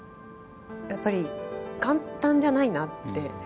やっぱり簡単じゃないなって。